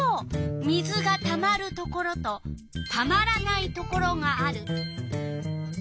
水がたまるところとたまらないところがある。